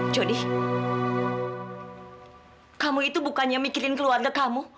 jody kamu itu bukannya mikirin keluarga kamu